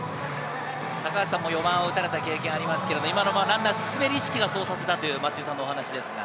高橋さんも４番を打たれた経験がありますが、今のはランナーを進める意識がそうさせたという松井さんの話ですが。